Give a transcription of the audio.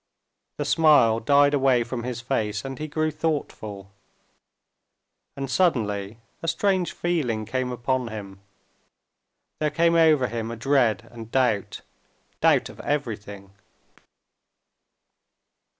The smile died away from his face, and he grew thoughtful. And suddenly a strange feeling came upon him. There came over him a dread and doubt—doubt of everything.